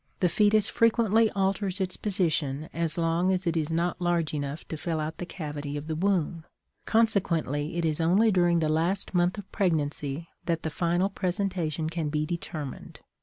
The fetus frequently alters its position as long as it is not large enough to fill out the cavity of the womb, consequently it is only during the last month of pregnancy that the final presentation can be determined.